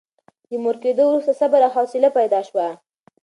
د مور کېدو وروسته صبر او حوصله پیدا شوه.